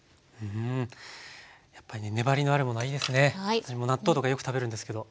私も納豆とかよく食べるんですけど。